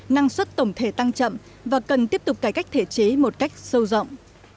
năng suất tổng thể tăng chậm và cần tiếp tục cải cách thể chế một cách sâu rộng